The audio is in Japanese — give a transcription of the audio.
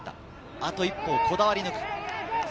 あと一歩をこだわり抜く。